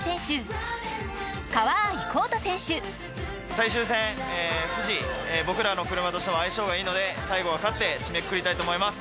最終戦富士僕らの車としても相性がいいので最後は勝って締めくくりたいと思います。